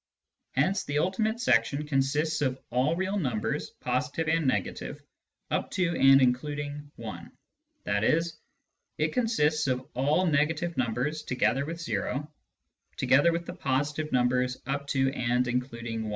Hence the ultimate section consists of all real numbers, positive and negative, up to and including i ; i.e. it consists of all negative numbers together with o, together with the positive numbers up to and including i.